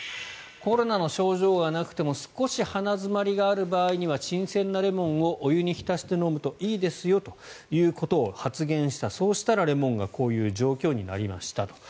コロナの症状がなくても少し鼻詰まりがある場合には新鮮なレモンをお湯に浸して飲むといいですよということを発言したそうしたらレモンがこういう状況になったと。